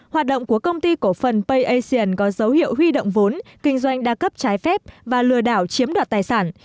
hoạt động của công ty cổ phần payasian có dấu hiệu huy động vốn kinh doanh đa cấp trái phép và lừa đảo chiếm đoạt tài sản